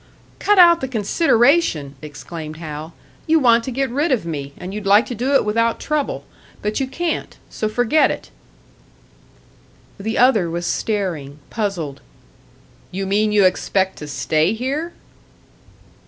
"Cut out the consideration!" exclaimed Hal. "You want to get rid of me, and you'd like to do it without trouble. But you can't so forget it." The other was staring, puzzled. "You mean you expect to stay here?"